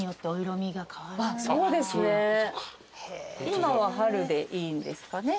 今は春でいいんですかね？